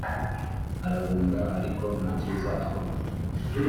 arahunga ariko nta cyiza abona.